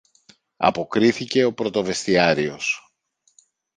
αποκρίθηκε ο πρωτοβεστιάριος.